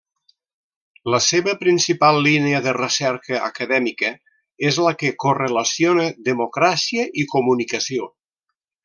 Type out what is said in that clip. La seva principal línia de recerca acadèmica és la que correlaciona democràcia i comunicació.